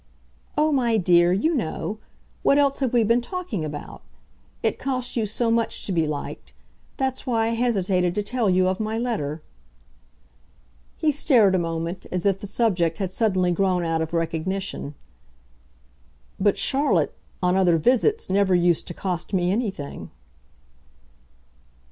"Oh, my dear, you know. What else have we been talking about? It costs you so much to be liked. That's why I hesitated to tell you of my letter." He stared a moment as if the subject had suddenly grown out of recognition. "But Charlotte on other visits never used to cost me anything."